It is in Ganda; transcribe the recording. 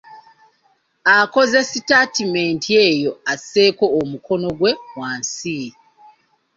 Akoze sitaatimenti eyo, asseeko omukono gwe wansi.